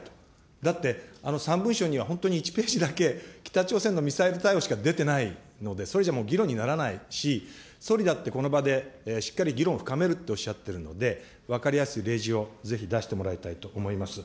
だって、３文書には、本当に１ページだけ、北朝鮮のミサイル対応しか出てないので、それじゃもう、議論にならないし、総理だって、この場でしっかり議論深めるとおっしゃってるので、分かりやすい例示を、ぜひ出してもらいたいと思います。